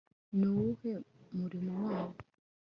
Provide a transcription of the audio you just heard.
ni uwuhe murimo wabo